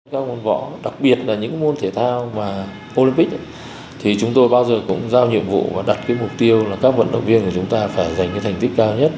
các nguồn võ đặc biệt là những môn thể thao olympic thì chúng tôi bao giờ cũng giao nhiệm vụ và đặt mục tiêu là các vận động viên của chúng ta phải giành thành tích cao nhất